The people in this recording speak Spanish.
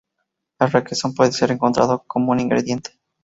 El requesón puede ser encontrado como un ingrediente.